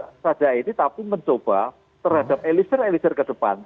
bisa saja ini tapi mencoba terhadap elisir elisir ke depan